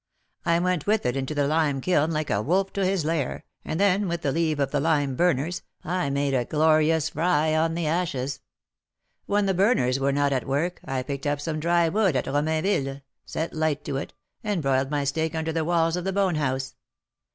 I went with it into the lime kiln like a wolf to his lair, and then, with the leave of the lime burners, I made a glorious fry on the ashes. When the burners were not at work, I picked up some dry wood at Romainville, set light to it, and broiled my steak under the walls of the bone house.